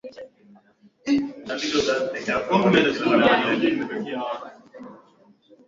Bonaparte aliyeteka Moscow lakini Warusi walifaulu kuwafukuza